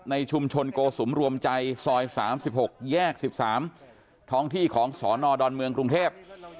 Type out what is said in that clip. ในชุมชนโกสุมรวมใจซอย๓๖แยก๑๓ท้องที่ของสนดอนเมืองกรุงเทพ